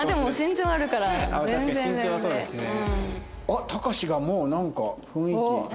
あったかしがもうなんか雰囲気。